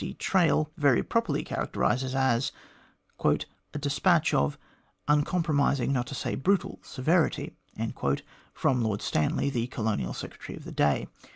D. Traill, very properly characterises as " a despatch of uncompromising, not to say brutal, severity " from Lord Stanley, the Colonial Secretary of the day.